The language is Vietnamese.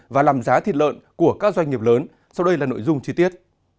và làm giá thịt lợn của các doanh nghiệp lớn sau đây là nội dung chi tiết